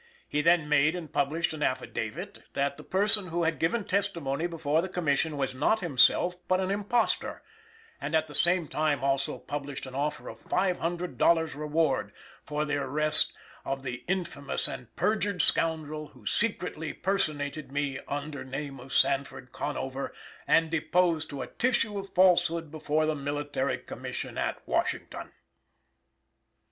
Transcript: He then made and published an affidavit that the person who had given testimony before the Commission was not himself but an imposter, and at the same time also published an offer of $500 reward for the arrest of "the infamous and perjured scoundrel who secretly personated me under name of Sanford Conover, and deposed to a tissue of falsehood before the military Commission at Washington."